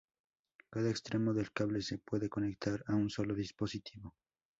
Cada extremo del cable se puede conectar a un solo dispositivo.